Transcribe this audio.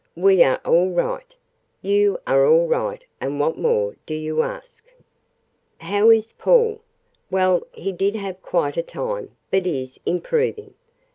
"We are all right, you are all right, and what more do you ask?" "How is Paul?" "Well, he did have quite a time, but is improving.